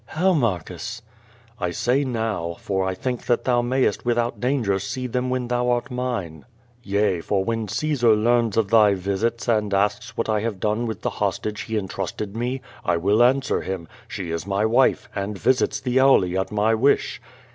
"How, Marcus?" "I say now, for I think that tliou mayest without danger see them when thou art mine. Yea, for when Caesar learns of thy visits and asks wliat I liave done with the hostage he entrusted me, 1 will answer liim. *She is my wife, and visits tlie Auli at my wish.'